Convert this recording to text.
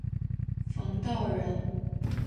冯道人。